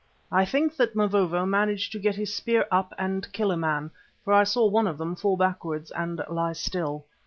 I think that Mavovo managed to get his spear up and kill a man, for I saw one of them fall backwards and lie still.